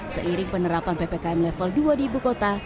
seiring penerapan ppkm level dua di ibu kota